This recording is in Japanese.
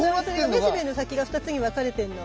めしべの先が二つに分かれてんの。